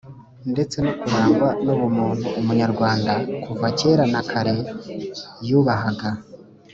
ndetse no kurangwa n’ubumuntu. umunyarwanda kuva kera na kare yubahaga